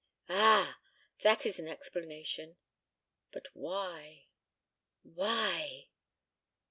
"Ah! That is an explanation. But why why?"